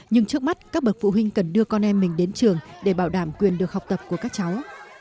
nhưng trước mắt các bậc phụ huynh cần đưa con em mình đến trường để bảo đảm quyền được học tập của các cháu